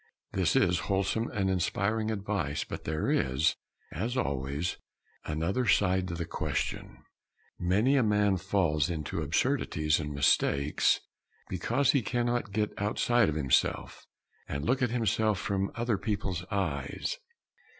This is wholesome and inspiring advice, but there is, as always, another side to the question. Many a man falls into absurdities and mistakes because he cannot get outside of himself and look at himself from other people's eyes.